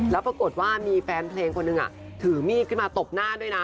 แล้วปรากฏว่ามีแฟนเพลงคนหนึ่งถือมีดขึ้นมาตบหน้าด้วยนะ